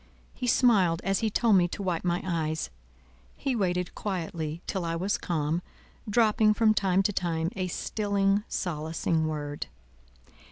He smiled as he told me to wipe my eyes; he waited quietly till I was calm, dropping from time to time a stilling, solacing word.